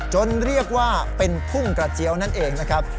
เรียกว่าเป็นทุ่งกระเจี๊ยวนั่นเองนะครับ